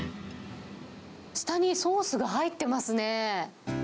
下にソースが入ってますね。